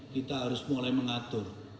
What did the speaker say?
kita harus mulai mengatur